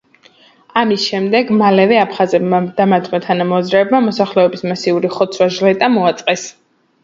ამის შემდეგ მალევე აფხაზებმა და მათმა თანამოაზრეებმა მოსახლეობის მასიური ხოცვა-ჟლეტა მოაწყეს.